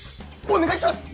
お願いします！